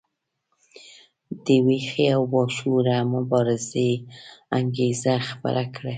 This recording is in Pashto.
د ویښې او باشعوره مبارزې انګیزه خپره کړه.